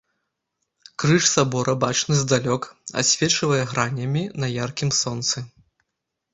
Крыж сабора бачны здалёк, адсвечвае гранямі на яркім сонцы.